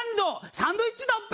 サンドイッチだっぺ！